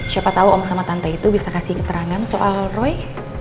siapa tahu om sama tante itu bisa kasih keterangan soal roy